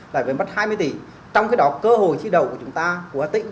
và với mặt hai mươi tỷ trong cái đó cơ hội chi đầu của chúng ta của hà tĩnh